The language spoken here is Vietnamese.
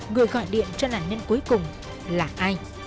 người gọi điện cho nạn nhân cuối cùng là ai